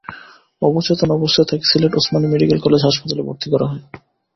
অবচেতন অবস্থায় তাঁকে সিলেট ওসমানী মেডিকেল কলেজ হাসপাতালে ভর্তি করা হয়।